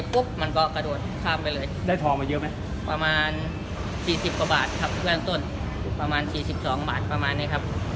โปรดติดตามตอนต่อไป